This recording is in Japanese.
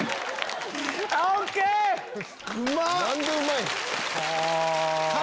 何でうまいん？